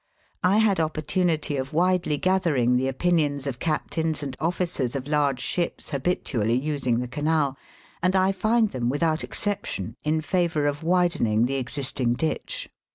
I had opportunity of widely gathering the opinions of captains and officers of large ships habitually using the Canal, and I find them, without exception, in favour of widening the existing ditch.